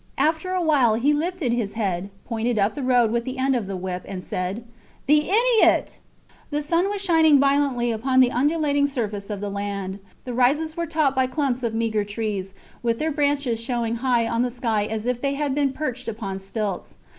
After a while he lifted his head, pointed up the road with the end of the whip, and said The idiot! The sun was shining violently upon the undulating surface of the land. The rises were topped by clumps of meagre trees, with their branches showing high on the sky as if they had been perched upon stilts.